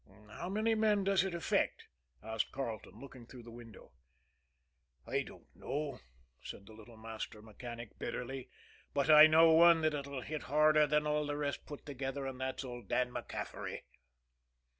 "How many men does it affect?" asked Carleton, looking through the window. "I don't know," said the little master mechanic bitterly; "but I know one that it'll hit harder than all the rest put together and that's old Dan MacCaffery."